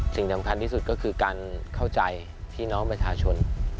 สิ่งสำคัญที่สุดก็คือการเข้าใจพี่น้องประชาชน